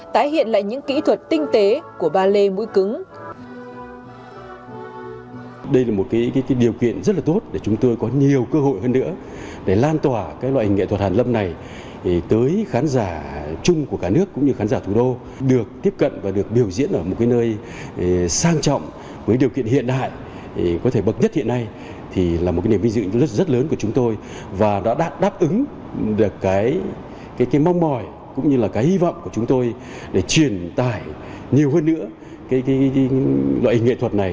tái hiện lại những kỹ thuật tinh tế của ballet mũi cứng